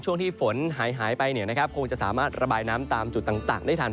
ช่วงที่ฝนหายไปคงจะสามารถระบายน้ำตามจุดต่างได้ทัน